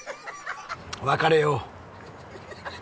別れよう。